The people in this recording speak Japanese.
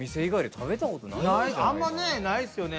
あんまりねないですよね。